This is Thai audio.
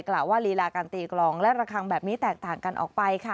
กล่าวว่าลีลาการตีกลองและระคังแบบนี้แตกต่างกันออกไปค่ะ